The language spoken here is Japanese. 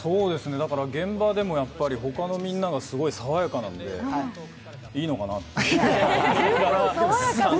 現場でも他のみんながすごい爽やかなんで、いいのかなって。